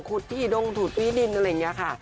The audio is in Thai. ที่ดงถูดอี้ดินอะไรอย่างนี้ค่ะ